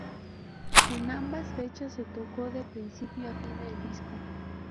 En ambas fechas se tocó de principio a fin el disco.